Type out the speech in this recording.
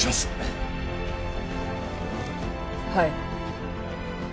はい。